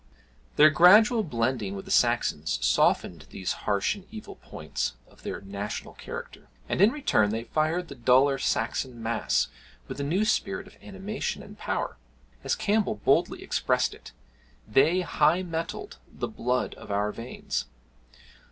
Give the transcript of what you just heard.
Their gradual blending with the Saxons softened these harsh and evil points of their national character, and in return they fired the duller Saxon mass with a new spirit of animation and power. As Campbell boldly expressed it, "THEY HIGH METTLED THE BLOOD OF OUR VEINS."